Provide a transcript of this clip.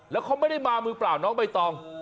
แล้วเขาไม่ได้มามือเปล่าน้องใบตอง